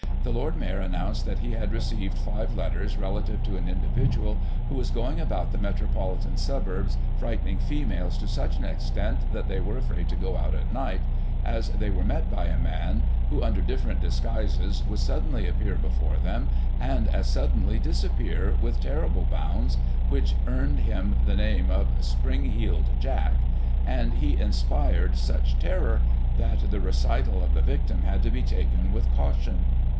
the Lord Mayor announced that he had received five letters relative to an individual who was going about the metropolitan suburbs frightening females to such an extent that they were afraid to go out at night, as they were met by a man, who, under different disguises, would suddenly appear before them, 1 and as suddenly disappear with terrible bounds, which earned \ him the name of " Spring heeled Jack," and he inspired such^^ * Still in use on the Royal Exchange. Digitized by Google 28 GOSSIP. [1838 terror, that the recital of the victim had to be taken with caution.